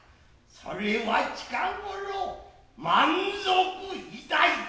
夫は近頃満足いたいた。